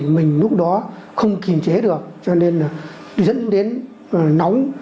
mình lúc đó không kiềm chế được cho nên là dẫn đến nóng